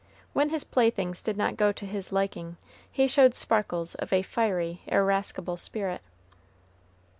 When his playthings did not go to his liking, he showed sparkles of a fiery, irascible spirit.